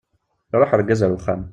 Iruḥ urgaz ar uxxam.